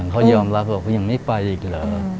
เขายอมรับบอกว่ายังไม่ไปอีกหรอ